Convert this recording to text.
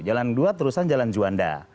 jalan dua terusan jalan juanda